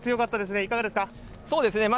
いかがですか。